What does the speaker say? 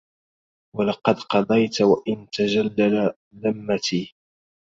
ولقد قضيت وإن تجلل لمتي